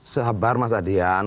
sabar mas adian